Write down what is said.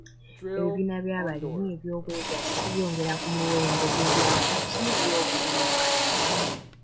Ebibiina by'abalimi eby'obwegassi byongera ku muwendo gw'eby'amaguzi by'obulimi ku katale.